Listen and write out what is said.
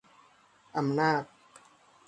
อำนาจ